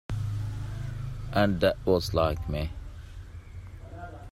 And that was like me!